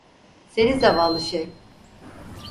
Seni zavallı şey.